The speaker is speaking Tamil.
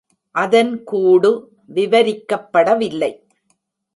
அதன் கூடு விவரிக்கப்படவில்லை.